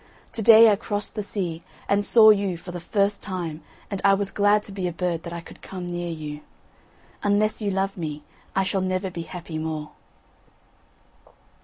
To day I crossed the sea and saw you for the first time and I was glad to be a bird that I could come near you. Unless you love me, I shall never be happy more."